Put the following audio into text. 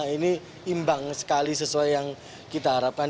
ini imbang sekali sesuai yang kita harapkan